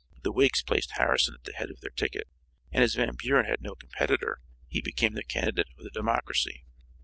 The Whigs placed Harrison at the head of their ticket and as Van Buren had no competitor, he became the candidate of the Democracy.